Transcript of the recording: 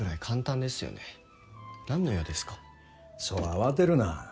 そう慌てるな。